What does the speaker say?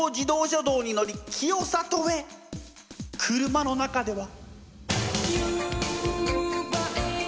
車の中では。